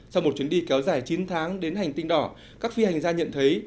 sau một chuyến đi kéo dài chín tháng đến hành tinh đỏ các phi hành gia nhận thấy